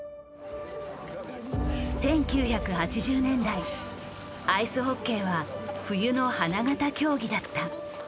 １９８０年代アイスホッケーは冬の花形競技だった。